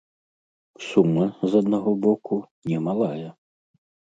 Сума, з аднаго боку, немалая.